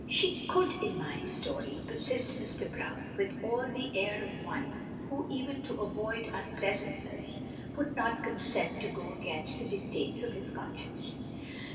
"She could in my story," persists Mr. Browne, with all the air of one who, even to avoid unpleasantness, would not consent to go against the dictates of his conscience.